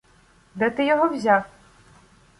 — Де ти його взяв?